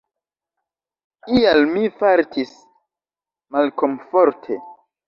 Ial mi fartis malkomforte.